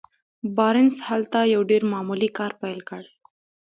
بارنس هلته يو ډېر معمولي کار پيل کړ.